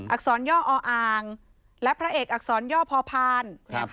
อักษรย่ออ่างและพระเอกอักษรย่อพอพาน